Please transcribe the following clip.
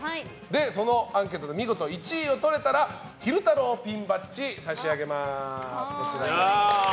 そのアンケートで見事１位を取れたら昼太郎ピンバッジ差し上げます。